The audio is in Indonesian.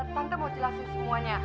tante mau jelasin semuanya